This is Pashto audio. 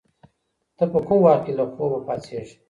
ته په کوم وخت کي له خوبه پاڅېږې؟